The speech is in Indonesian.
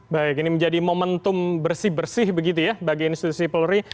baik ini menjadi momentum bersih bersih begitu ya bagi institusi polri